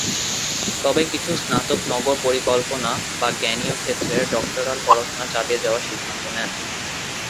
তবে কিছু স্নাতক নগর পরিকল্পনা বা জ্ঞানীয় ক্ষেত্রে ডক্টরাল পড়াশোনা চালিয়ে যাওয়ার সিদ্ধান্ত নেন।